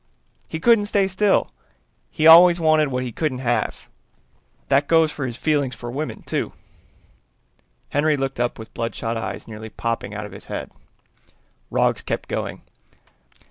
He couldn't stay still, he always wanted what he couldn't have. That goes for his feelings for women, too." Henry looked up with bloodshot eyes nearly popping out of his head. Roggs kept going.